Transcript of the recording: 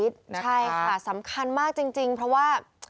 ใช่ค่ะสำคัญมากจริงเพราะว่า